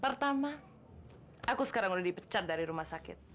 pertama aku sekarang udah dipecat dari rumah sakit